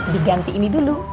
diganti ini dulu